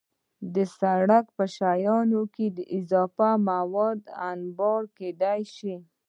د سړک په شانو کې اضافي مواد انبار کېدای شي